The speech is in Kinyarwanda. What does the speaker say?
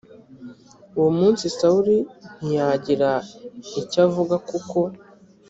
uwo munsi sawuli ntiyagira icyo avuga kuko